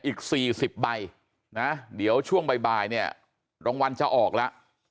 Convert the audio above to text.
อีก๔๐ใบนะเดี๋ยวช่วงบ่ายเนี่ยรางวัลจะออกแล้ว